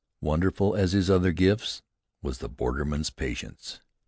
Wonderful as his other gifts, was the borderman's patience.